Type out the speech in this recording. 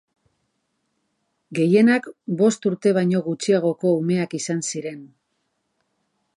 Gehienak bost urte baino gutxiagoko umeak izan ziren.